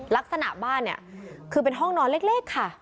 ลักษณะบ้านเนี่ยคือเป็นห้องนอนเล็กค่ะ